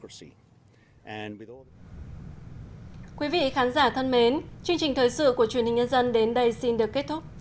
thưa quý vị khán giả thân mến chương trình thời sự của truyền hình nhân dân đến đây xin được kết thúc